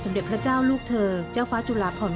เสด็จพระราชดำเนินเปิดอนุสวรีวีรชนไข้บังรจันทร์